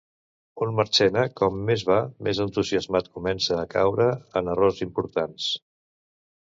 Un Marchena com més va més entusiasmat comença a caure en errors importants.